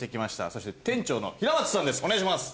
そして店長の平松さんです。